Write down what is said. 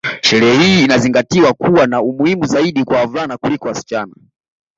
Sherehe hii inazingatiwa kuwa na umuhimu zaidi kwa wavulana kuliko wasichana